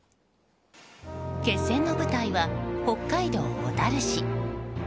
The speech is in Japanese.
決戦の舞台は北海道小樽市。